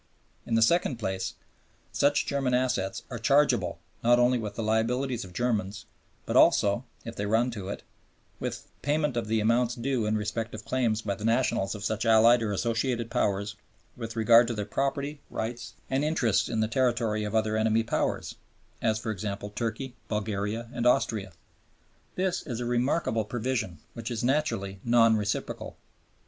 In the second place, such German assets are chargeable, not only with the liabilities of Germans, but also, if they run to it, with "payment of the amounts due in respect of claims by the nationals of such Allied or Associated Power with regard to their property, rights, and interests in the territory of other Enemy Powers," as, for example, Turkey, Bulgaria, and Austria. This is a remarkable provision, which is naturally non reciprocal.